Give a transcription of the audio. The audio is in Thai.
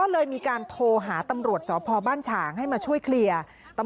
นะครับโดยที่ตำรวจสอนพ่อบ้านฉ่างให้มาช่วยเคลียร์